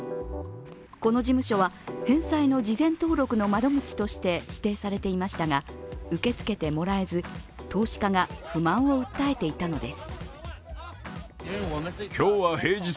この事務所は、返済の事前登録の窓口として指定されていましたが受け付けてもらえず、投資家が不満を訴えていたのです。